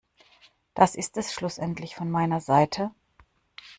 Das ist es schlussendlich schon von meiner Seite.